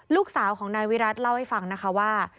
ลูกสาวของนายวิรัติเล่าให้ฟังนะคะว่า